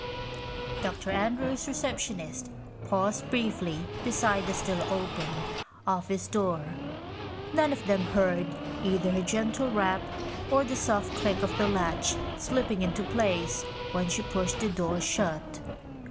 Dr. Andrews' receptionist paused briefly beside the still open office door. None of them heard either her gentle rap or the soft click of the latch slipping into place when she pushed the door shut.